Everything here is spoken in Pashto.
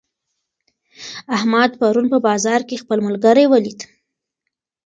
احمد پرون په بازار کې خپل ملګری ولید.